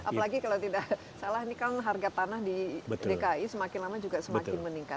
apalagi kalau tidak salah ini kan harga tanah di dki semakin lama juga semakin meningkat